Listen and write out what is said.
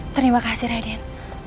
terima kasih raden